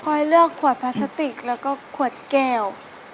เลือกขวดพลาสติกแล้วก็ขวดแก้ว